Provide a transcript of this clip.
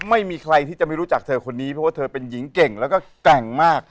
ไม่มีใครที่จะไม่รู้จักเธอคนนี้เพราะว่าเธอเป็นหญิงเก่งแล้วก็แกร่งมาก